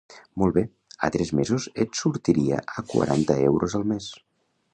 Molt bé, a tres mesos et sortiria a quaranta euros al mes.